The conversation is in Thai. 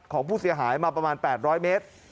ของผู้เสียหายมาประมาณ๘๐๐เมตร